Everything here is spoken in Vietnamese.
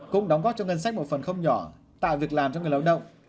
cũng đóng góp cho ngân sách một phần không nhỏ tạo việc làm cho người lao động